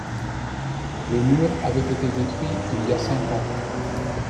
Le mur avait été détruit il y a cinq ans.